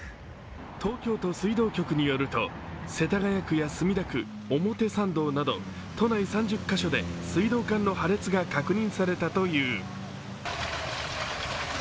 東京都水道局によると、世田谷区や墨田区、表参道など都内３０カ所で水道管の破裂が確認されたという。